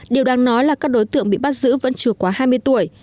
điều đáng nói là các đối tượng bị bắt giữ vẫn chưa quá hai mươi tuổi